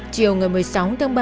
chiều ngày một mươi sáu tháng ba